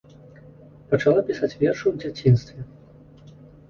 Пачала пісаць вершы ў дзяцінстве.